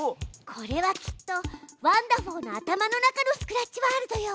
これはきっとワンだふぉーの頭の中のスクラッチワールドよ。